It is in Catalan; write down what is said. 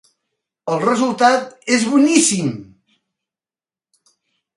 El resultat és boníssim.